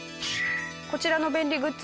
こちらの便利グッズ